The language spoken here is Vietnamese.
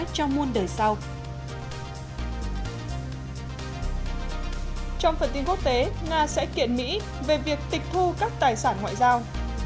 trong phần tin quốc tế nga sẽ kiện mỹ về việc tịch thu các tài sản ngoại giao